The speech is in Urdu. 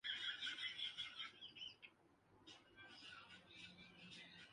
یہ بھی صریحا مذاق ہے۔